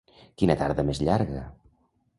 Quina tarda més llarga!